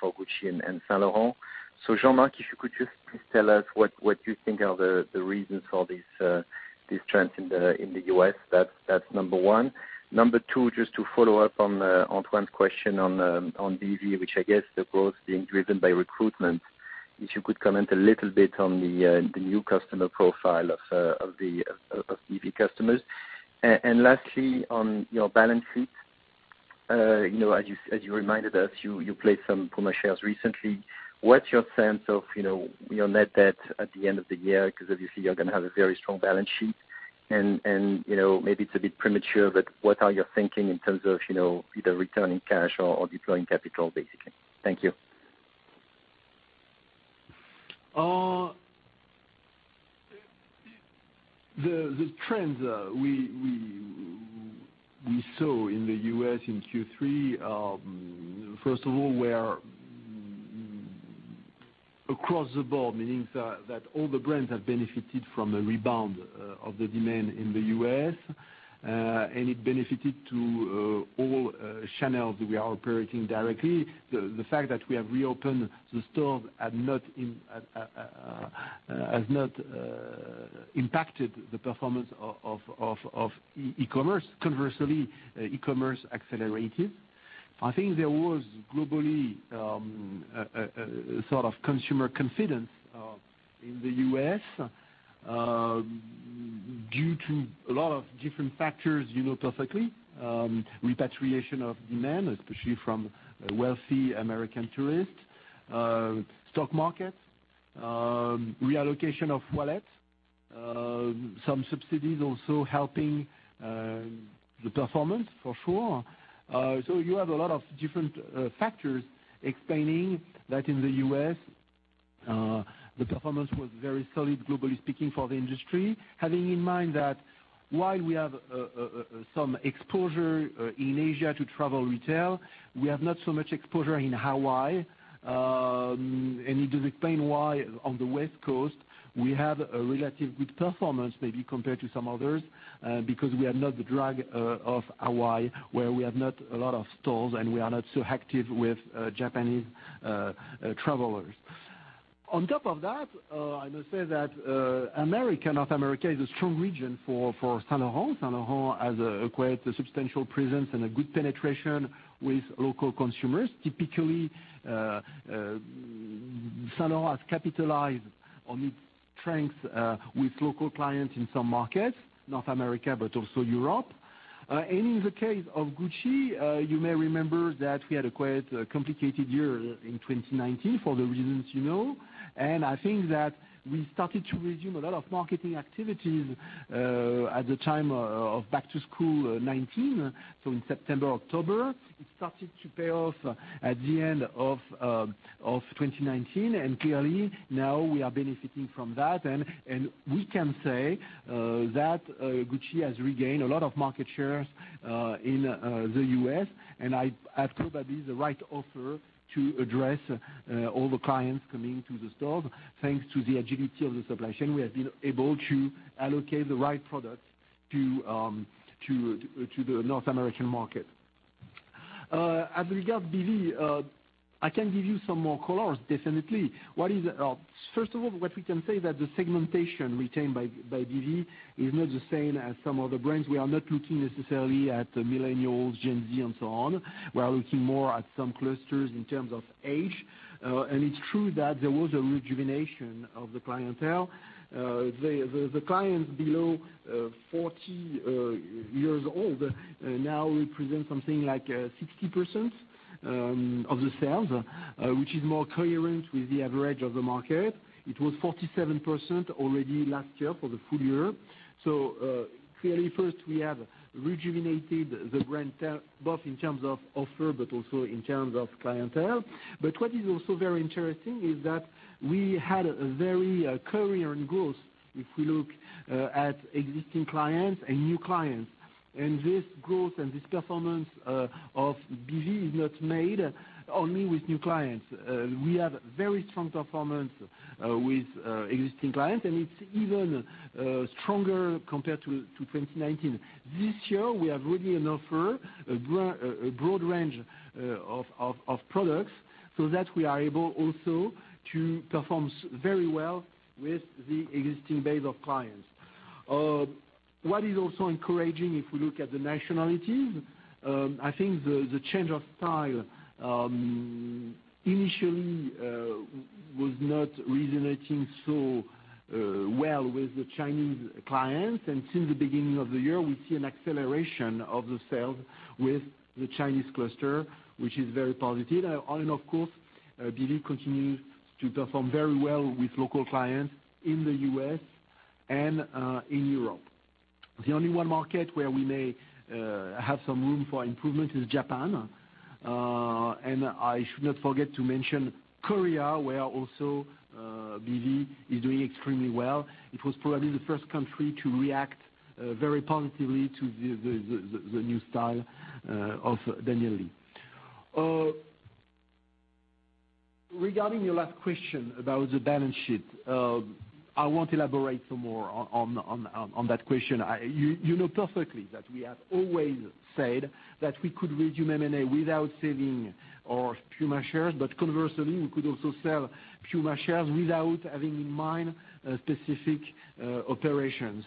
[SPEAKER 6] for GUCCI and Saint Laurent. Jean-Marc, if you could just please tell us what you think are the reasons for this trend in the U.S. That's number one. Number two, just to follow up on Antoine's question on BV, which I guess the growth being driven by recruitment, if you could comment a little bit on the new customer profile of BV customers. Lastly, on your balance sheet, as you reminded us, you placed some PUMA shares recently. What's your sense of your net debt at the end of the year? Obviously you're going to have a very strong balance sheet, and maybe it's a bit premature, but what are your thinking in terms of either returning cash or deploying capital basically? Thank you.
[SPEAKER 2] The trends we saw in the U.S. in Q3, first of all, were across the board, meaning that all the brands have benefited from a rebound of the demand in the U.S., and it benefited to all channels we are operating directly. The fact that we have reopened the stores has not impacted the performance of e-commerce. Conversely, e-commerce accelerated. I think there was globally a sort of consumer confidence in the U.S. due to a lot of different factors you know perfectly. Repatriation of demand, especially from wealthy American tourists. Stock market, reallocation of wallets, some subsidies also helping the performance for sure. You have a lot of different factors explaining that in the U.S. the performance was very solid globally speaking for the industry. Having in mind that while we have some exposure in Asia to travel retail, we have not so much exposure in Hawaii. It does explain why on the West Coast, we have a relative good performance maybe compared to some others, because we are not the drag of Hawaii, where we have not a lot of stores and we are not so active with Japanese travelers. On top of that, I must say that North America is a strong region for Saint Laurent. Saint Laurent has acquired a substantial presence and a good penetration with local consumers. Typically, Saint Laurent has capitalized on its strength with local clients in some markets, North America, but also Europe. In the case of GUCCI, you may remember that we had a quite complicated year in 2019 for the reasons you know, and I think that we started to resume a lot of marketing activities at the time of back to school 2019. In September, October, it started to pay off at the end of 2019, and clearly now we are benefiting from that. We can say that GUCCI has regained a lot of market shares in the U.S., and I have probably the right offer to address all the clients coming to the stores. Thanks to the agility of the supply chain, we have been able to allocate the right products to the North American market. As regard BV, I can give you some more colors, definitely. First of all, what we can say that the segmentation retained by BV is not the same as some other brands. We are not looking necessarily at millennials, Gen Z, and so on. We are looking more at some clusters in terms of age. It's true that there was a rejuvenation of the clientele. The clients below 40 years old now represent something like 60% of the sales, which is more coherent with the average of the market. It was 47% already last year for the full year. Clearly first we have rejuvenated the brand both in terms of offer, but also in terms of clientele. What is also very interesting is that we had a very coherent growth if we look at existing clients and new clients. This growth and this performance of BV is not made only with new clients. We have very strong performance with existing clients, and it's even stronger compared to 2019. This year, we have really an offer, a broad range of products so that we are able also to perform very well with the existing base of clients. What is also encouraging, if we look at the nationalities, I think the change of style, initially was not resonating so well with the Chinese clients. Since the beginning of the year, we see an acceleration of the sales with the Chinese cluster, which is very positive. Of course, BV continues to perform very well with local clients in the U.S. and in Europe. The only one market where we may have some room for improvement is Japan. I should not forget to mention Korea, where also BV is doing extremely well. It was probably the first country to react very positively to the new style of Daniel Lee. Regarding your last question about the balance sheet, I want elaborate some more on that question. You know perfectly that we have always said that we could resume M&A without selling our PUMA shares, but conversely, we could also sell PUMA shares without having in mind a specific operation.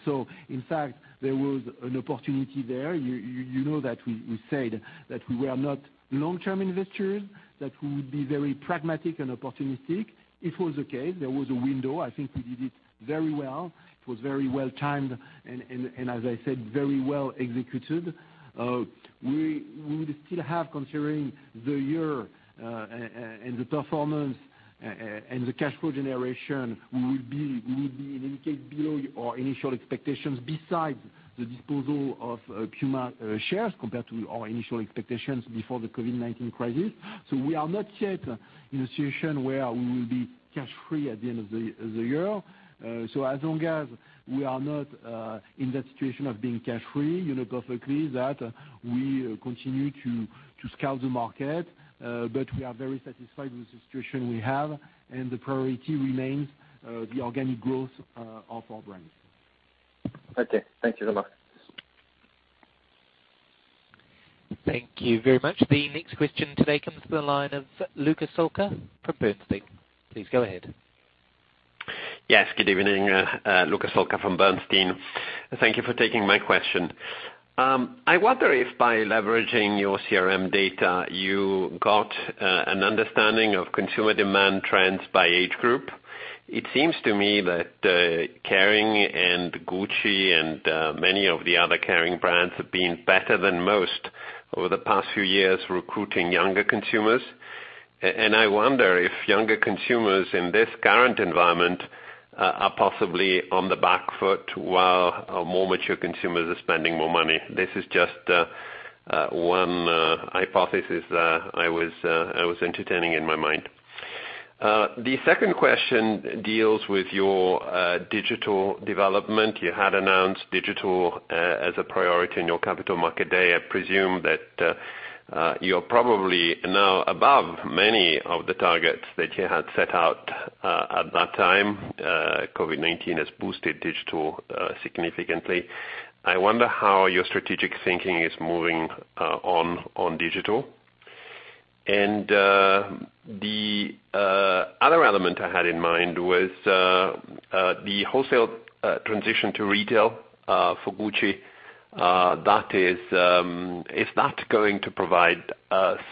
[SPEAKER 2] In fact, there was an opportunity there. You know that we said that we were not long-term investors, that we would be very pragmatic and opportunistic. It was okay. There was a window. I think we did it very well. It was very well timed and as I said, very well executed. We would still have, considering the year and the performance and the cash flow generation, we would be a little bit below our initial expectations besides the disposal of PUMA shares compared to our initial expectations before the COVID-19 crisis. We are not yet in a situation where we will be cash free at the end of the year. As long as we are not in that situation of being cash free, you know perfectly that we continue to scout the market, but we are very satisfied with the situation we have, and the priority remains the organic growth of our brands.
[SPEAKER 6] Okay. Thank you very much.
[SPEAKER 1] Thank you very much. The next question today comes to the line of Luca Solca from Bernstein. Please go ahead.
[SPEAKER 7] Yes, good evening. Luca Solca from Bernstein. Thank you for taking my question. I wonder if by leveraging your CRM data, you got an understanding of consumer demand trends by age group. It seems to me that Kering and GUCCI and many of the other Kering brands have been better than most over the past few years recruiting younger consumers. I wonder if younger consumers in this current environment are possibly on the back foot while more mature consumers are spending more money. This is just one hypothesis that I was entertaining in my mind. The second question deals with your digital development. You had announced digital as a priority in your Capital Markets Day. I presume that you're probably now above many of the targets that you had set out at that time. COVID-19 has boosted digital significantly. I wonder how your strategic thinking is moving on digital. The other element I had in mind was the wholesale transition to retail for GUCCI. Is that going to provide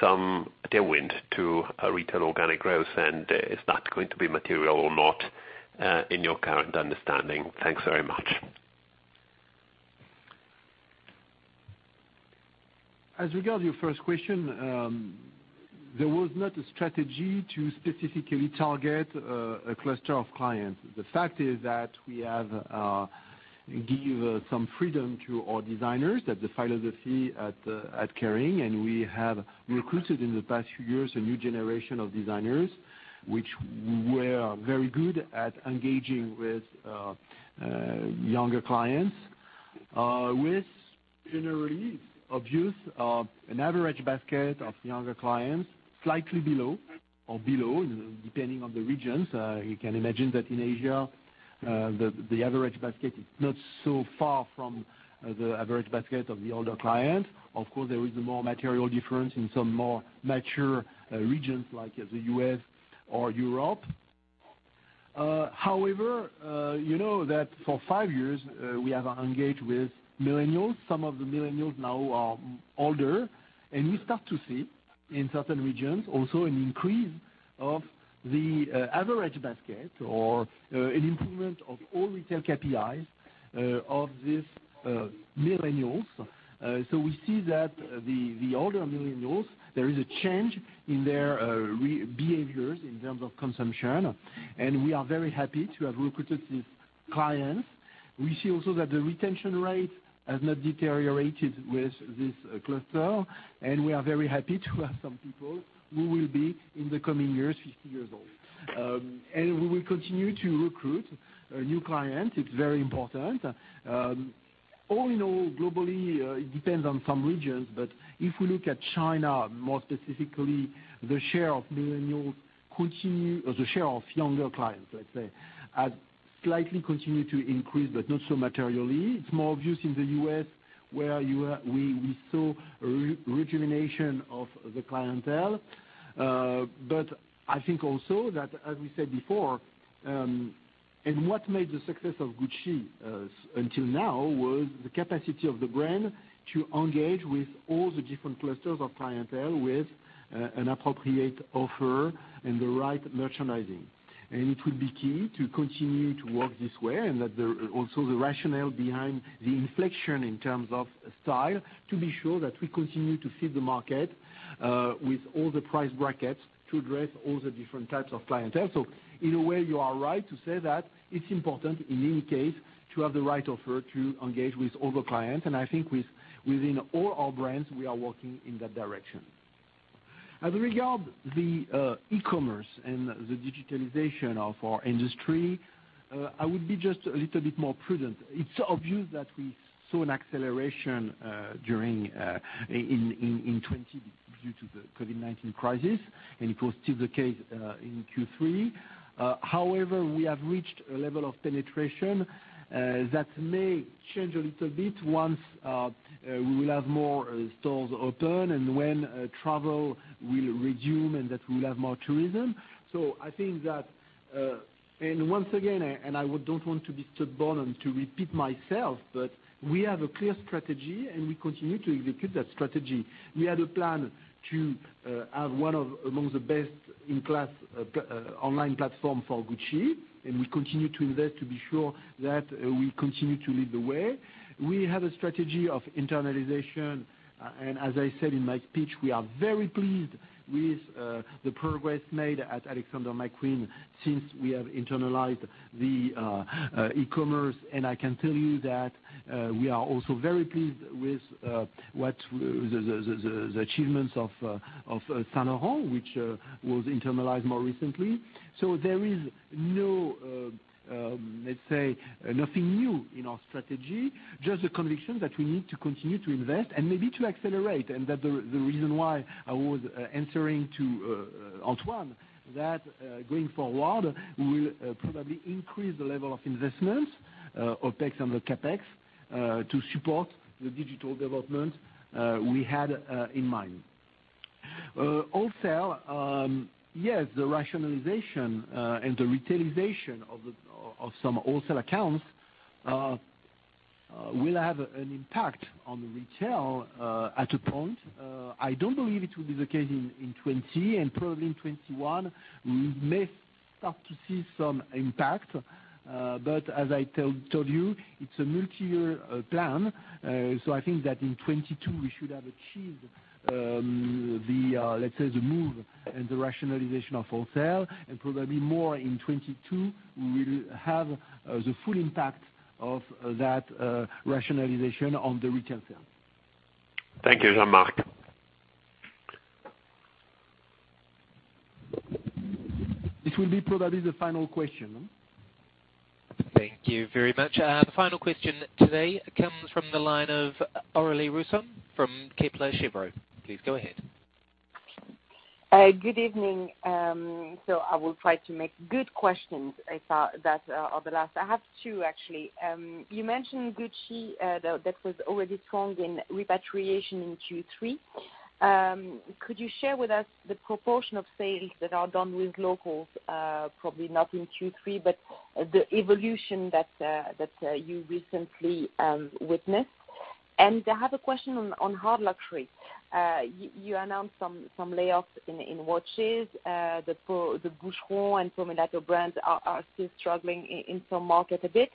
[SPEAKER 7] some tailwind to retail organic growth and is that going to be material or not in your current understanding? Thanks very much.
[SPEAKER 2] As regard to your first question, there was not a strategy to specifically target a cluster of clients. The fact is that we have give some freedom to our designers, that the philosophy at Kering, and we have recruited in the past few years a new generation of designers, which were very good at engaging with younger clients. With generally obvious of an average basket of younger clients, slightly below or below depending on the regions. You can imagine that in Asia, the average basket is not so far from the average basket of the older client. Of course, there is a more material difference in some more mature regions like the U.S. or Europe. However, you know that for five years, we have engaged with millennials. Some of the millennials now are older, and we start to see in certain regions also an increase of the average basket or an improvement of all retail KPIs of these millennials. We see that the older millennials, there is a change in their behaviors in terms of consumption, and we are very happy to have recruited these clients. We see also that the retention rate has not deteriorated with this cluster, and we are very happy to have some people who will be, in the coming years, 60 years old. We will continue to recruit new clients. It's very important. All in all, globally, it depends on some regions, but if we look at China, more specifically, the share of millennial, or the share of younger clients, let's say, has slightly continued to increase, but not so materially. It's more obvious in the U.S., where we saw a rejuvenation of the clientele. I think also that, as we said before, and what made the success of GUCCI until now was the capacity of the brand to engage with all the different clusters of clientele with an appropriate offer and the right merchandising. It will be key to continue to work this way, and that also the rationale behind the inflection in terms of style, to be sure that we continue to feed the market with all the price brackets to address all the different types of clientele. In a way, you are right to say that it's important, in any case, to have the right offer to engage with all the clients, and I think within all our brands, we are working in that direction. As we regard the e-commerce and the digitalization of our industry, I would be just a little bit more prudent. It's obvious that we saw an acceleration in 2020 due to the COVID-19 crisis, and it was still the case in Q3. However, we have reached a level of penetration that may change a little bit once we will have more stores open and when travel will resume, and that we will have more tourism. Once again, and I don't want to be stubborn and to repeat myself, but we have a clear strategy, and we continue to execute that strategy. We had a plan to have one of amongst the best-in-class online platform for GUCCI, and we continue to invest to be sure that we continue to lead the way. We have a strategy of internalization, and as I said in my speech, we are very pleased with the progress made at Alexander McQueen since we have internalized the e-commerce, and I can tell you that we are also very pleased with the achievements of Saint Laurent, which was internalized more recently. There is, let's say, nothing new in our strategy, just a conviction that we need to continue to invest and maybe to accelerate, and that the reason why I was answering to Antoine, that going forward, we will probably increase the level of investments, OpEx and the CapEx, to support the digital development we had in mind. Wholesale, yes, the rationalization and the retailization of some wholesale accounts will have an impact on retail at a point. I don't believe it will be the case in 2020, and probably in 2021, we may start to see some impact. As I told you, it's a multi-year plan. I think that in 2022, we should have achieved, let's say, the move and the rationalization of wholesale, and probably more in 2022, we will have the full impact of that rationalization on the retail sale.
[SPEAKER 7] Thank you, Jean-Marc.
[SPEAKER 2] This will be probably the final question.
[SPEAKER 1] Thank you very much. The final question today comes from the line of Aurélie Husson from Kepler Cheuvreux. Please go ahead.
[SPEAKER 8] Good evening. I will try to make good questions that are the last. I have two, actually. You mentioned GUCCI, that was already strong in repatriation in Q3. Could you share with us the proportion of sales that are done with locals, probably not in Q3, but the evolution that you recently witnessed? I have a question on hard luxury. You announced some layoffs in watches. The Boucheron and Pomellato brands are still struggling in some markets a bit.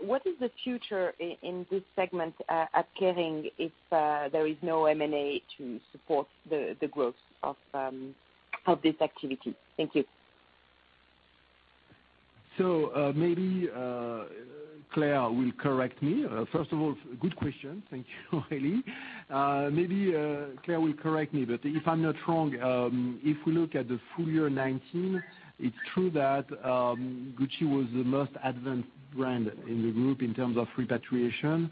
[SPEAKER 8] What is the future in this segment at Kering if there is no M&A to support the growth of this activity? Thank you.
[SPEAKER 2] Maybe Claire will correct me. First of all, good question. Thank you, Aurélie. Maybe Claire will correct me, but if I'm not wrong, if we look at the full year 2019, it's true that GUCCI was the most advanced brand in the group in terms of repatriation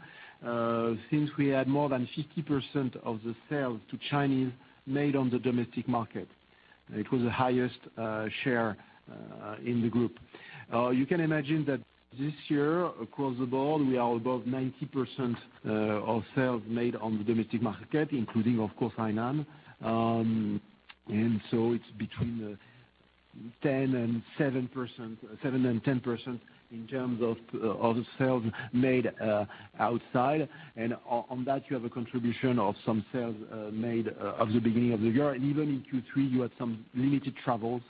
[SPEAKER 2] since we had more than 50% of the sales to Chinese made on the domestic market. It was the highest share in the group. You can imagine that this year, across the board, we are above 90% of sales made on the domestic market, including, of course, Hainan. It's between 7% and 10% in terms of the sales made outside. On that, you have a contribution of some sales made at the beginning of the year. Even in Q3, you had some limited travels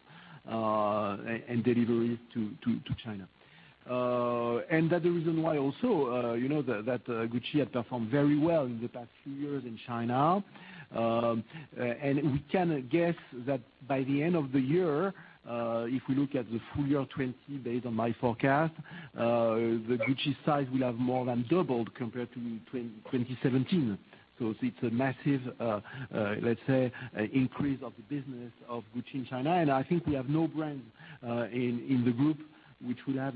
[SPEAKER 2] and deliveries to China. That's the reason why also, that GUCCI had performed very well in the past few years in China. We can guess that by the end of the year, if we look at the full year 2020 based on my forecast, the GUCCI sales will have more than doubled compared to 2017. It's a massive, let's say, increase of the business of GUCCI in China. I think we have no brand in the group which would have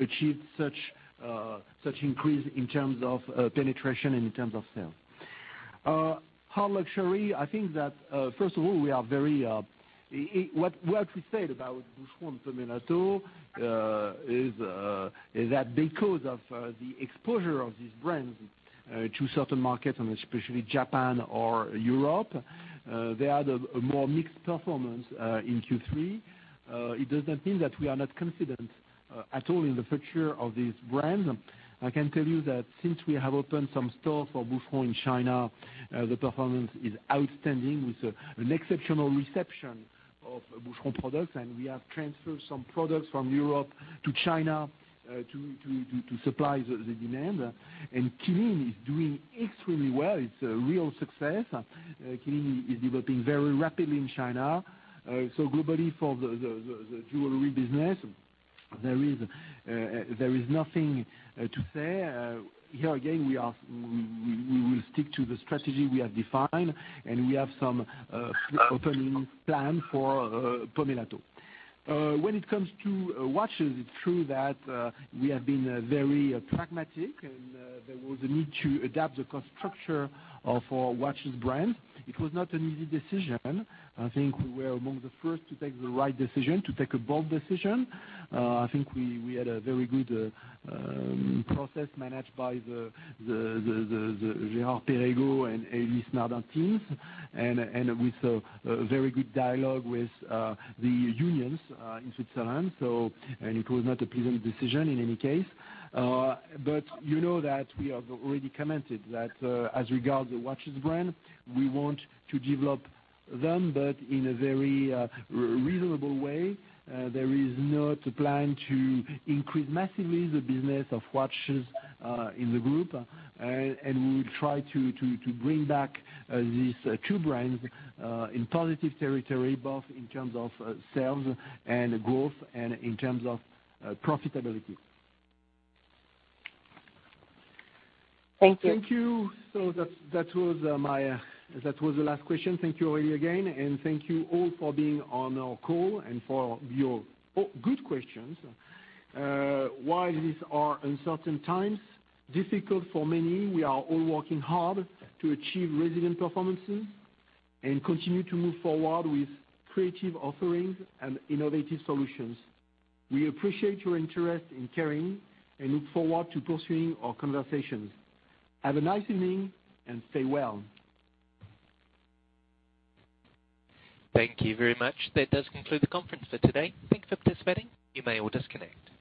[SPEAKER 2] achieved such an increase in terms of penetration and in terms of sales. Hard luxury, I think that, first of all, what we said about Boucheron, Pomellato, is that because of the exposure of these brands to certain markets, and especially Japan or Europe, they had a more mixed performance in Q3. It does not mean that we are not confident at all in the future of these brands. I can tell you that since we have opened some stores for Boucheron in China, the performance is outstanding with an exceptional reception of Boucheron products, and we have transferred some products from Europe to China to supply the demand. Qeelin is doing extremely well. It's a real success. Qeelin is developing very rapidly in China. Globally, for the jewelry business, there is nothing to say. Here again, we will stick to the strategy we have defined, and we have some opening plans for Pomellato. When it comes to watches, it's true that we have been very pragmatic, and there was a need to adapt the cost structure of our watches brand. It was not an easy decision. I think we were among the first to take the right decision, to take a bold decision. I think we had a very good process managed by the Girard-Perregaux and Ulysse Nardin teams, and with a very good dialogue with the unions in Switzerland. It was not a pleasant decision in any case. You know that we have already commented that as regards the watches brand, we want to develop them, but in a very reasonable way. There is no plan to increase massively the business of watches in the group. We will try to bring back these two brands in positive territory, both in terms of sales and growth, and in terms of profitability.
[SPEAKER 8] Thank you.
[SPEAKER 2] Thank you. That was the last question. Thank you, Aurélie, again, and thank you all for being on our call and for your good questions. While these are uncertain times, difficult for many, we are all working hard to achieve resilient performances and continue to move forward with creative offerings and innovative solutions. We appreciate your interest in Kering and look forward to pursuing our conversations. Have a nice evening and stay well.
[SPEAKER 1] Thank you very much. That does conclude the conference for today. Thank you for participating. You may all disconnect.